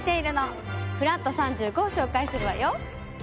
「フラット３５」を紹介するわよ。